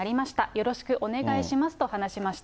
よろしくお願いしますと話しました。